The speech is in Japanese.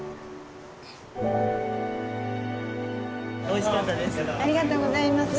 おいしかったです。